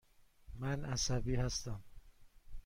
من عصبی هستم.